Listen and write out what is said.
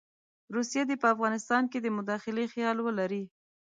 روسیه دې په افغانستان کې د مداخلې خیال ولري.